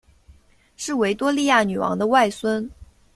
是维多利亚女王的外孙。